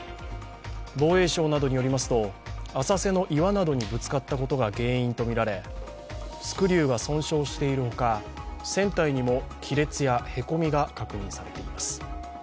防衛省などによりますと浅瀬の岩などにぶつかったことが原因とみられスクリューが損傷しているほか船体にも亀裂やへこみが確認されています。